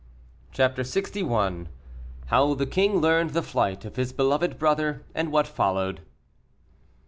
CHAPTER LXI. HOW THE KING LEARNED THE FLIGHT OF HIS BELOVED BROTHER, AND WHAT FOLLOWED.